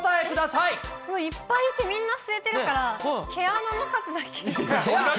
いっぱいいて、みんな吸えてるから、毛穴の数だけ。